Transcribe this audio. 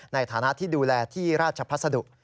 ในฐานะที่ดูแลที่ราชพัสดุ